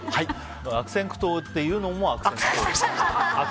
悪戦苦闘っていうのも悪戦苦闘。